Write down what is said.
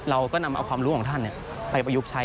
เราก็นำเอาความรู้ของท่านไปประยุกต์ใช้